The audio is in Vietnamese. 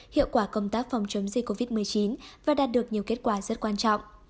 hiệu quả công tác phòng chống dịch covid một mươi chín và đạt được nhiều kết quả rất quan trọng